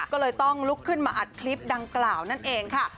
ก็เลยต้องลุกขึ้นมาอัดคลิปดังกล่าวนั่นเองค่ะ